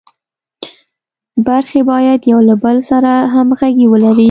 برخې باید یو له بل سره همغږي ولري.